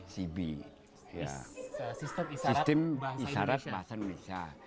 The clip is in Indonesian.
sistem isarat bahasa indonesia